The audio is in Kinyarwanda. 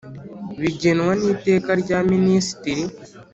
bigenwa n iteka rya Minisitiri